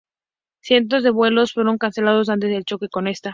Cientos de vuelos fueron cancelados antes del choque con esta.